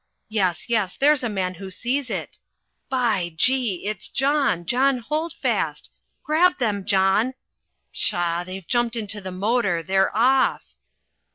yes, yes, there's a man who sees it by Gee! It's John, John Holdfast grab them, John pshaw! they've jumped into the motor, they're off!